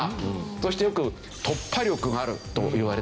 そしてよく突破力があるといわれている。